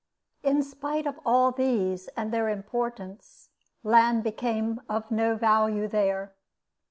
In spite of all these and their importance, land became of no value there.